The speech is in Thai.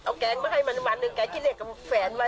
เอาแกงมาให้๑วันหนึ่งแกงขี้เหล็กกับแฝนมา